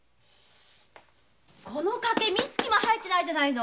この掛け三月も入ってないじゃないの！